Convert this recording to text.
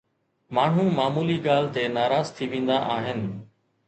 ماڻهو معمولي ڳالهه تي ناراض ٿي ويندا آهن.